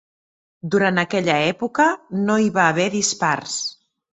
Durant aquella època no hi va haver dispars.